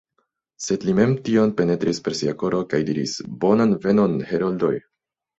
Sed li mem tion penetris per sia koro kaj diris: « Bonan venon, heroldoj!"